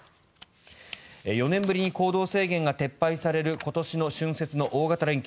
４年ぶりに行動制限が撤廃される今年の春節の大型連休。